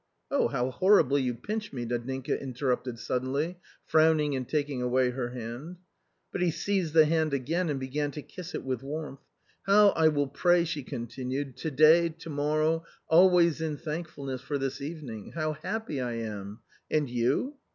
" Oh, how horribly you pinch me !" Nadinka interrupted suddenly, frowning and taking away her hand. But he seized the hand again and began to kiss it with warmth. " How I will pray," she continued, " to day, to morrow, always, in thankfulness for this evening. How happy I am ! And you